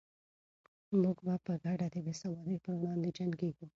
موږ به په ګډه د بې سوادۍ پر وړاندې جنګېږو.